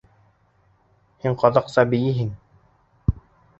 Һин ҡаҙаҡса бейейһең.